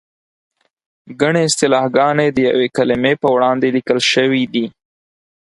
ګڼې اصطلاحګانې د یوې کلمې په وړاندې لیکل شوې دي.